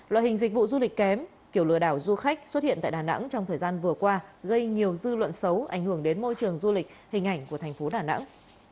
loại hình dịch vụ du lịch kém kiểu lừa đảo du khách xuất hiện tại đà nẵng trong thời gian vừa qua gây nhiều dư luận xấu ảnh hưởng đến môi trường du lịch hình ảnh của thành phố đà nẵng